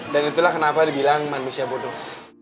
dan itulah kenapa dibilang manusia bodoh